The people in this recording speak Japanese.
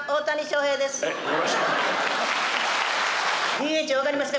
ＤＨ分かりますか？